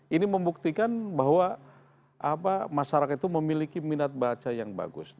ini membuktikan bahwa masyarakat itu memiliki minat baca yang bagus